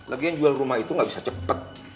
lagian jual rumah itu gak bisa cepet